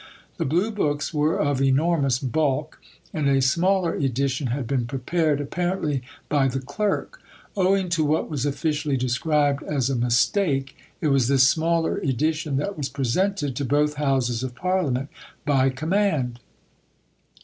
The Blue books were of enormous bulk, and a smaller edition had been prepared, apparently by the Clerk. Owing to what was officially described as "a mistake," it was this smaller edition that was "presented to both Houses of Parliament by command."